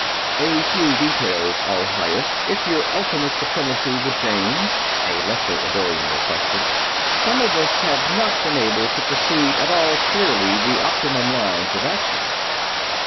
"A few details, All Highest, if Your Ultimate Supremacy would deign," a lesser Eddorian requested. "Some of us have not been able to perceive at all clearly the optimum lines of action."